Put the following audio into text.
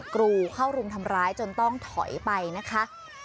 กรูเข้ารุมทำร้ายจนต้องถอยไปนะคะ